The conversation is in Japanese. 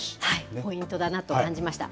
ポイントだなと感じました。